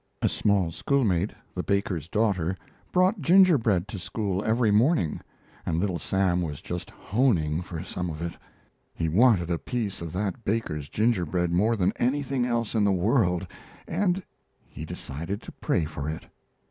A small schoolmate, the balker's daughter, brought gingerbread to school every morning, and Little Sam was just "honing" for some of it. He wanted a piece of that baker's gingerbread more than anything else in the world, and he decided to pray for it.